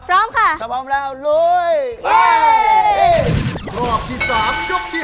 สวัสดีครับ